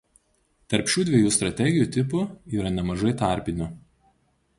Tarp šių dviejų strategijų tipų yra nemažai tarpinių.